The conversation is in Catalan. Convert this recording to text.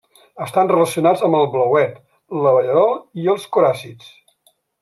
Estan relacionats amb el blauet, l'abellerol i els coràcids.